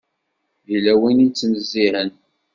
Yella win i yettnezzihen.